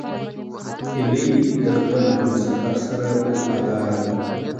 هیلۍ د خپل همسفر سره وفاداره ده